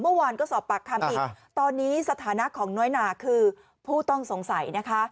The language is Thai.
เมื่อวานก็สอบปากคำอีกตอนนี้สถานะของน้อยหนาคือผู้ต้องสงสัยนะคะ